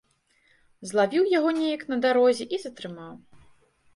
Злавіў яго неяк на дарозе і затрымаў.